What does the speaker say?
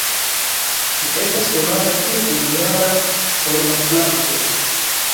Ĝi estas konata kiel unujara ornamplanto.